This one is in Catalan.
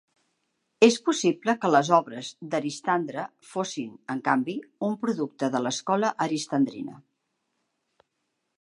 És possible que les obres d'Aristandre fossin, en canvi, un producte de l'escola aristandrina.